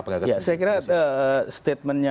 saya kira statementnya